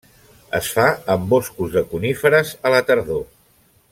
Es fa en boscos de coníferes a la tardor.